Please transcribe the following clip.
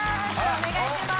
お願いします。